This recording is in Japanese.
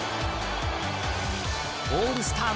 オールスター